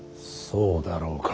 そうだろうか。